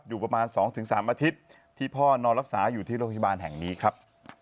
อยู่ประมาณ๒๓อาทิตย์ที่พ่อนอนรักษาอยู่ที่โรงพยาบาลแห่งนี้ครับ